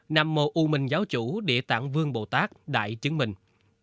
nằm mồ ưu mình giáo chủ địa tảng vương bồ tát đại chứng minh